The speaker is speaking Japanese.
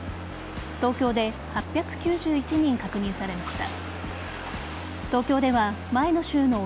東京で８９１人確認されました。